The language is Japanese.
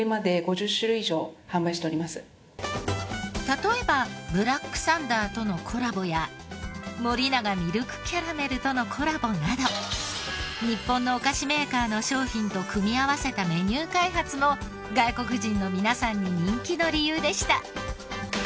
例えばブラックサンダーとのコラボや森永ミルクキャラメルとのコラボなど日本のお菓子メーカーの商品と組み合わせたメニュー開発も外国人の皆さんに人気の理由でした。